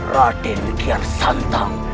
raden kian santang